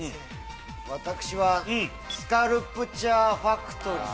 私は『スカルプチャーファクトリー』。